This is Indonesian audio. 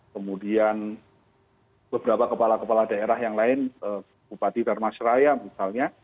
kemudian beberapa kepala kepala daerah yang lain bupati dharmasraya misalnya